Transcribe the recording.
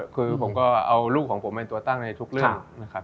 คือผมก็เอาลูกของผมเป็นตัวตั้งในทุกเรื่องนะครับ